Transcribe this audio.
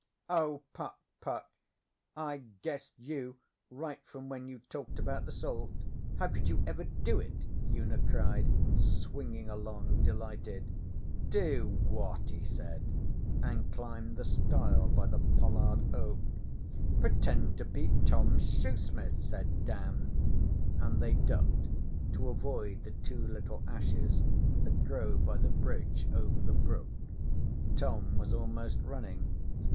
'Oh, Puck! Puck! I guessed you right from when you talked about the salt. How could you ever do it?' Una cried, swinging along delighted. 'Do what?' he said, and climbed the stile by the pollard oak. 'Pretend to be Tom Shoesmith,' said Dan, and they ducked to avoid the two little ashes that grow by the bridge over the brook. Tom was almost running.